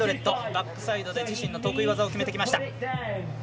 バックサイドで自身の得意技を決めてきました。